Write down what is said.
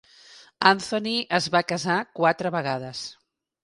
Anthony es va casar quatre vegades.